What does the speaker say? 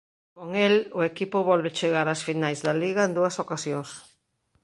Con el o equipo volve chegar ás finais da liga en dúas ocasións.